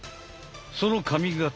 その髪形